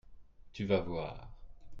Tu vas voir.